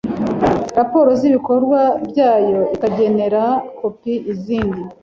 raporo z ibikorwa byayo ikagenera kopi izindi